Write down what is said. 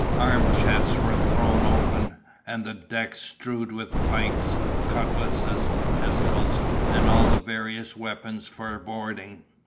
Arm chests were thrown open, and the decks strewed with pikes, cutlasses, pistols, and all the various weapons for boarding.